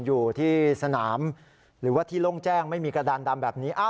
อยู่ที่สนามหรือว่าที่โล่งแจ้งไม่มีกระดานดำแบบนี้